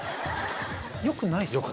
よくないっすか？